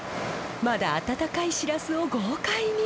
まだ温かいシラスを豪快に。